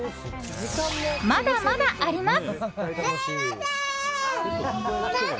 まだまだあります。